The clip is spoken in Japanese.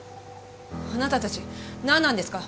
あなたたち何なんですか？